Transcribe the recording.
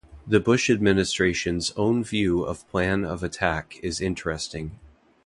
The Bush administration's own view of "Plan of Attack" is interesting.